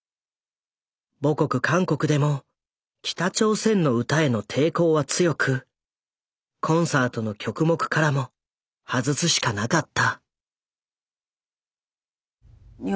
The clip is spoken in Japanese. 母国韓国でも「北朝鮮の歌」への抵抗は強くコンサートの曲目からも外すしかなかった。